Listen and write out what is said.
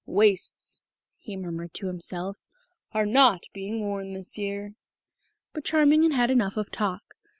Waists," he murmured to himself, "are not being worn this year." But Charming had had enough of talk.